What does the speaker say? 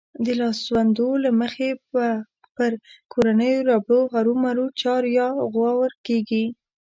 د لاسوندو له مخې به پر کورنيو ربړو هرومرو چار يا غور کېږي.